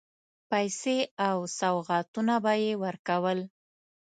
پیسې او سوغاتونه به یې ورکول.